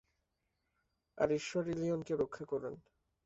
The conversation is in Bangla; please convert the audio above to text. আর ঈশ্বর ইলিনয়কে রক্ষা করুন!